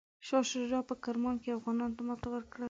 شاه شجاع په کرمان کې افغانانو ته ماته ورکړه.